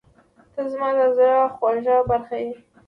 • ته زما د زړه خوږه برخه یې.